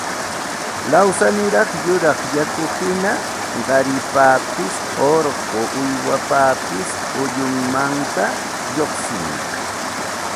lawsaniraq yuraq yakuhina qaripapas urqu uywapapas ullunmanta lluqsimuq